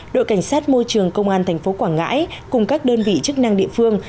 đội cảnh sát môi trường công an tp quảng ngãi cùng các đơn vị chức năng địa phương